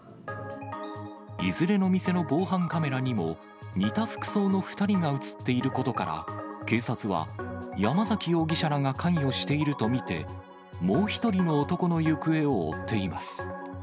いずれの店の防犯カメラにも似た服装の２人が写っていることから、警察は山崎容疑者らが関与していると見て、もう１人の男の行方を追っています。